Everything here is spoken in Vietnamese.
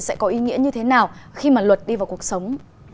tôi vừa đề cập ở trên sẽ có ý nghĩa như thế nào khi mà luật đi vào cuộc sống